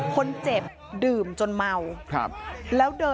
คนเจ็บดื่มจนเมา